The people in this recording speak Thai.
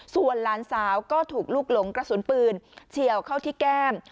ส่วนหลานสาวก็ถูกลูกหลงกระสุนปืนเฉียวเข้าที่แก้ม